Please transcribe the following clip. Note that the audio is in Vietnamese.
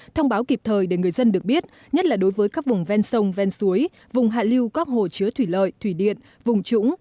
thông báo kịp thời để người dân được biết nhất là đối với các vùng ven sông ven suối vùng hạ lưu các hồ chứa thủy lợi thủy điện vùng trũng